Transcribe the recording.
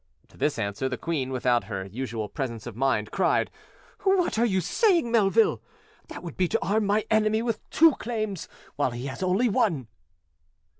To this answer, the queen, without her usual presence of mind, cried, "What are you saying, Melville? That would be to arm my enemy with two claims, while he has only one".